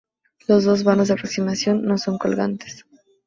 Los dos vanos de aproximación no son colgantes.